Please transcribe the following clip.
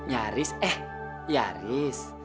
yaris eh yaris